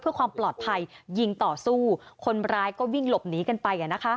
เพื่อความปลอดภัยยิงต่อสู้คนร้ายก็วิ่งหลบหนีกันไป